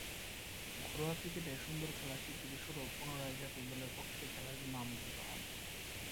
ঘরোয়া ক্রিকেটে সুন্দর খেলার স্বীকৃতিস্বরূপ পুনরায় জাতীয় দলের পক্ষে খেলার জন্যে আমন্ত্রিত হন।